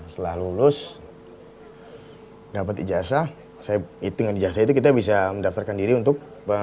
setelah lulus dapat ijazah saya hitung ijazah itu kita bisa mendaftarkan diri untuk